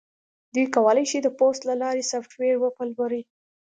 دوی کولی شي د پوست له لارې سافټویر وپلوري